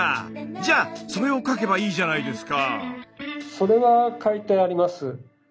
じゃあそれを書けばいいじゃないですか。